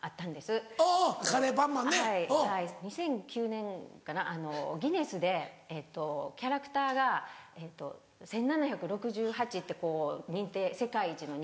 ２００９年かなギネスでキャラクターが１７６８って世界一の認定。